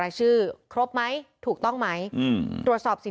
ทางคุณชัยธวัดก็บอกว่าการยื่นเรื่องแก้ไขมาตรวจสองเจน